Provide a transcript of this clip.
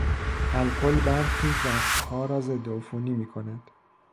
الکل برخی زخمها را ضدعفونی میکند.